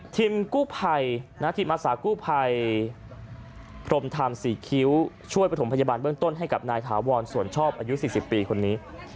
ทีมกู้ภัยทีมอาสากู้ภัยพรมธรรมศรีคิ้วช่วยประถมพยาบาลเบื้องต้นให้กับนายถาวรส่วนชอบอายุ๔๐ปีคนนี้